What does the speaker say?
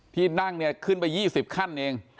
ที่นั่งเนี่ยขึ้นไป๒๐ขั้นเอง